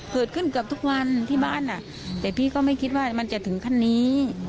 เกิดขึ้นเกือบทุกวันที่บ้านแต่พี่ก็ไม่คิดว่ามันจะถึงขั้นนี้